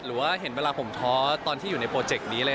หรือว่าเห็นเวลาผมท้อตอนที่อยู่ในโปรเจกต์นี้เลย